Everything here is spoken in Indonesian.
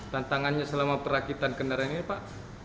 tantangannya selama perakitan kendaraan ini pak